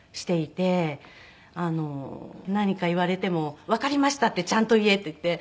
何か言われても「わかりましたってちゃんと言え」っていって。